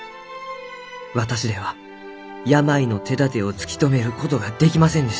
「私では病の手だてを突き止めることができませんでした。